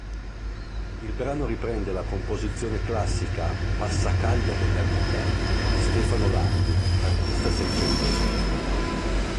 Il brano riprende la composizione classica "Passacaglia della vita" di Stefano Landi, artista Seicentesco.